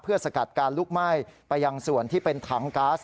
สกัดการลุกไหม้ไปยังส่วนที่เป็นถังก๊าซ